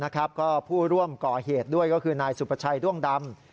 ก็ผู้ร่วมก่อเหตุด้วยก็คือนายสุประชัยด้วงดำ